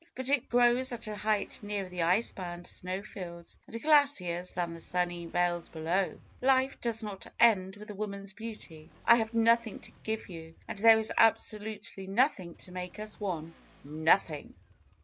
But it grows at a height nearer the icebound snowfields and glaciers than the sunny vales below. life does not end with a woman's beauty. I have nothing to give you. And there is absolutely nothing to make us one ; nothing